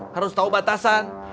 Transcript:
harus tau batasan